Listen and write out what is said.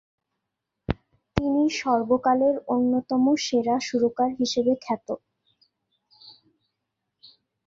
তিনি সর্বকালের অন্যতম সেরা সুরকার হিসেবে খ্যাত।